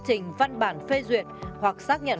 trình văn bản phê duyệt hoặc xác nhận